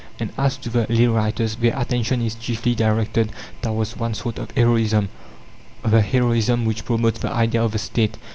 And as to the lay writers, their attention is chiefly directed towards one sort of heroism, the heroism which promotes the idea of the State.